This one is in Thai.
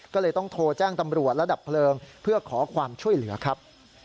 ก็เลยต้องโทรแจ้งตำรวจและดับเพลิงเพื่อขอความช่วยเหลือครับ